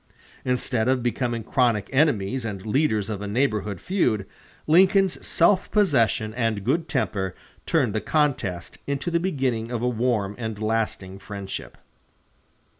Instead of becoming chronic enemies and leaders of a neighborhood feud, Lincoln's self possession and good temper turned the contest into the beginning of a warm and lasting friendship.